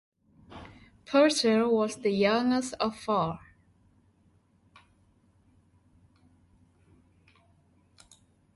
Purser was the youngest of four.